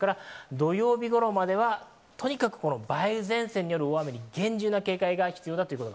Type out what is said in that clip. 土曜日頃まではとにかく梅雨前線による大雨に厳重な警戒が必要です。